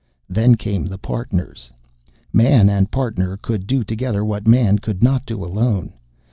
Then came the Partners. Man and Partner could do together what Man could not do alone.